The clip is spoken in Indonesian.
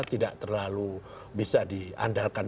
tidak terlalu bisa diandalkan